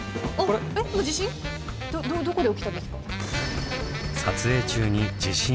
どどこで起きたんですか？